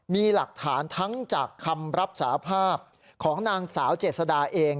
มีหลักฐานทั้งจากคำรับสาภาพของนางสาวเจษดาเอง